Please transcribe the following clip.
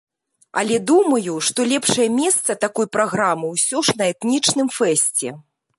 Але думаю, што лепшае месца такой праграмы ўсё ж на этнічным фэсце.